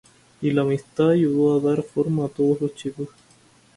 Y la amistad ayudó a dar forma a todos los chicos.